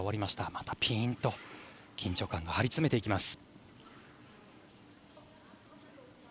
またピーンと緊張感が張り詰めていきます。